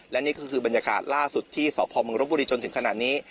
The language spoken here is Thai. และนี่ก็คือบรรยากาศล่าสุดที่สพมรบบุรีจนถึงขนาดนี้